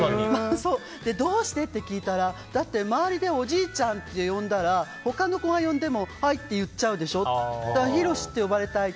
どうしてって聞いたらだって、周りでおじいちゃんって呼んだら他の子が呼んでも、はいって言っちゃうでしょってことで洋って呼ばれたい。